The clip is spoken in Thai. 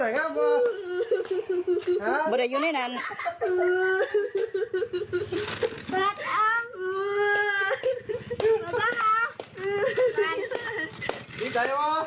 ขอบคุณกันจ้ะ